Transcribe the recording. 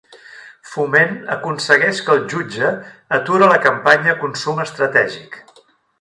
Foment aconsegueix que el jutge ature la campanya Consum Estratègic